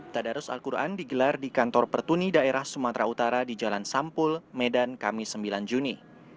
tadarus al quran digelar di kantor pertuni daerah sumatera utara di jalan sampul medan kamis sembilan juni